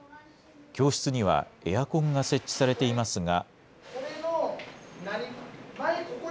教室には、エアコンが設置されていますが。